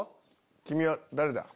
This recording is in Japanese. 君は誰だ？